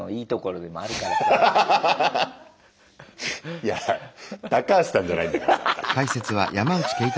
いやタカハシさんじゃないんだからさ